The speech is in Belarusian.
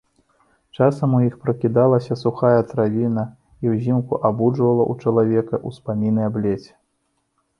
Часам у іх пракідалася сухая травіна і ўзімку абуджвала ў чалавека ўспаміны аб леце.